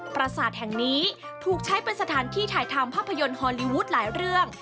ประสาทแห่งนี้ถูกใช้เป็นสถานที่ถ่ายทำภาพยนตร์ฮอลลีวูดหลายเรื่อง